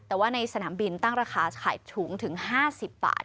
แต่ว่าในสนามบินตั้งราคาขายถุงถึง๕๐บาท